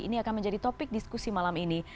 ini akan menjadi topik diskusi malam ini